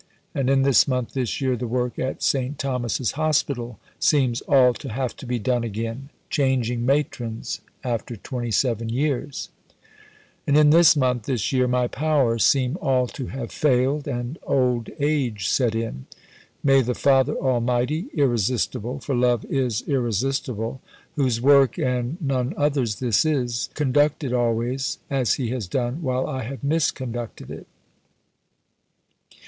And in this month this year the work at St. Thomas's Hospital seems all to have to be done again changing Matrons after 27 years. And in this month this year my powers seem all to have failed and old age set in. May the Father Almighty, Irresistible for Love is irresistible whose work and none other's this is, conduct it always, as He has done, while I have misconducted it.